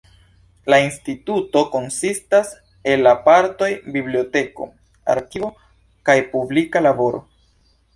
La instituto konsistas el la partoj biblioteko, arkivo kaj publika laboro.